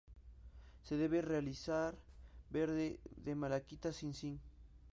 Se debe utilizar verde de malaquita sin zinc.